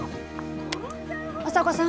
朝岡さん。